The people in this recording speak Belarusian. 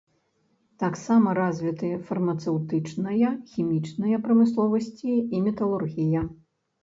Таксама развіты фармацэўтычная, хімічная прамысловасці і металургія.